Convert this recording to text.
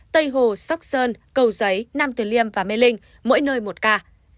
tây hồ sóc sơn cầu giấy nam tử liêm và mê linh mỗi nơi một ca